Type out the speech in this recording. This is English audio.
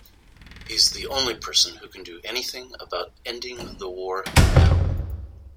He's the only person who can do anything about ending the war now.